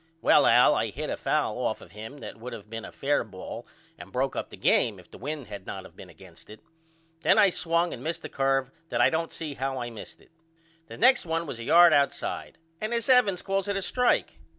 Well Al I hit a foul off of him that would of been a fare ball and broke up the game if the wind had not of been against it. Then I swung and missed a curve that I don't see how I missed it. The next 1 was a yard outside and this Evans calls it a strike.